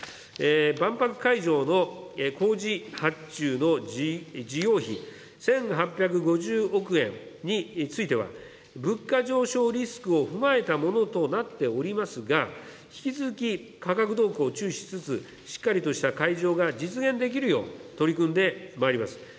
万博会場の工事発注の事業費１８５０億円については、物価上昇リスクを踏まえたものとなっておりますが、引き続き価格動向を注視しつつ、しっかりとした会場が実現できるよう取り組んでまいります。